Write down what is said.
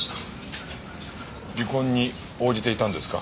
離婚に応じていたんですか？